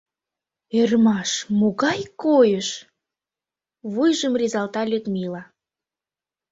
— Ӧрмаш, могай койыш! — вуйжым рӱзалта Людмила.